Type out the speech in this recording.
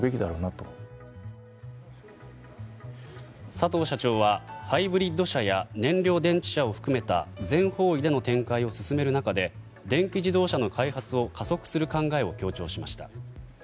佐藤社長はハイブリッド車や燃料電池車を含めた全方位での展開を進める中で電気自動車の開発を加速する考えを強調しました。